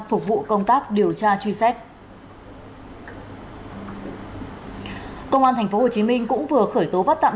phục vụ công tác điều tra truy xét công an tp hcm cũng vừa khởi tố bắt tạm